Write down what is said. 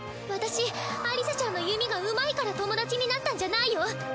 私アリサちゃんの弓がうまいから友達になったんじゃないよ。